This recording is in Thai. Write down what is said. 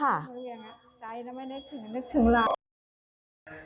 อย่างนั้นใจแล้วไม่นึกถึงนึกถึงหลาน